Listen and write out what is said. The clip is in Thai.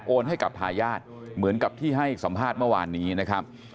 ให้กับทายาทเหมือนกับที่ให้สัมภาษณ์เมื่อวานนี้นะครับ